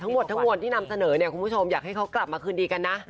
ทั้งหมดทั้งมวลที่นำเสนอเนี่ยคุณผู้ชมอยากให้เขากลับมาคืนดีกันนะ